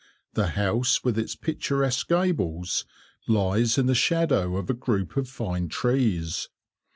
The house, with its picturesque gables, lies in the shadow of a group of fine trees.